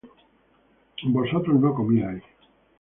vosotros no comierais